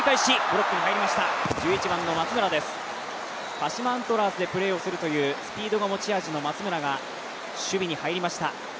鹿島アントラーズでプレーをするというスピードが持ち味の松村が守備に入りました。